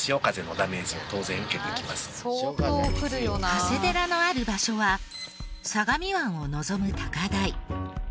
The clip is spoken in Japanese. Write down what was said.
長谷寺のある場所は相模湾を望む高台。